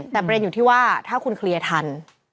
แต่ประเด็นอยู่ที่ว่าถ้าคุณเคลียร์ทัน